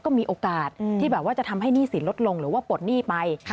ก็มีโอกาสที่แบบว่าจะทำให้หนี้สินลดลงหรือว่าปลดหนี้ไป